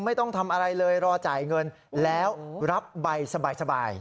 ไม่ต้องทำอะไรเลยรอจ่ายเงินแล้วรับใบสบาย